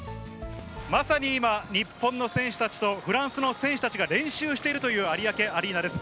まさに今、日本の選手たちとフランスの選手たちが練習しているという有明アリーナです。